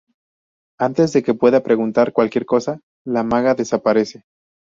Antes de que pueda preguntar cualquier cosa, la maga desaparece.